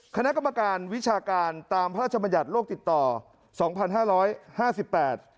คณะกรรมการวิชาการตามพระราชมัญญัติโลกติดต่อสองพันห้าร้อยห้าสิบแปด